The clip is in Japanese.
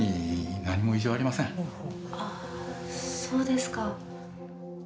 そうですか。